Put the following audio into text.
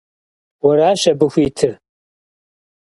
Уэращ абы хуитыр.